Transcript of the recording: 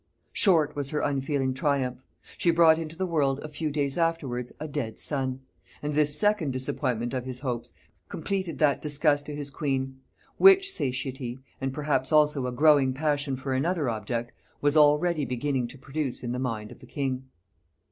Short was her unfeeling triumph. She brought into the world a few days afterwards, a dead son; and this second disappointment of his hopes completed that disgust to his queen which satiety, and perhaps also a growing passion for another object, was already beginning to produce in the mind of the king.